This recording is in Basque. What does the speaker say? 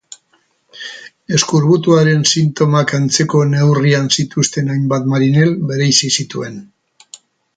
Eskorbutuaren sintomak antzeko neurrian zituzten hainbat marinel bereizi zituen.